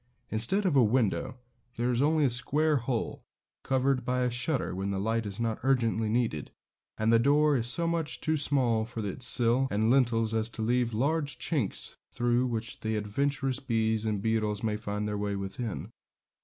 Instead of a window there is only a square hole, covered by a shutter when the light is not urgently needed; and the door is so much too small for its sill and lintels as to leave large chinks, through which adventurous bees and beetles may find their way within.